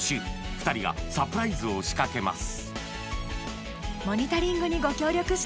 ２人がサプライズを仕掛けます